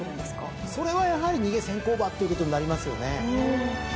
それはやはり逃げ・先行馬ということになりますよね。